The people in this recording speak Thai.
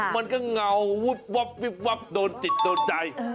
มันก็เงามุบวับวิบวับโดนจิตโดนใจ